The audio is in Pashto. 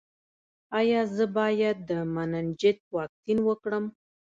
ایا زه باید د مننجیت واکسین وکړم؟